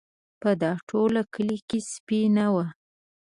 په دا ټول کلي کې سپی نه و.